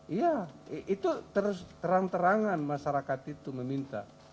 iya itu terus terang terangan masyarakat itu meminta